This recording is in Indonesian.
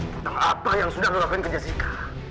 tentang apa yang sudah lu lakuin ke jessica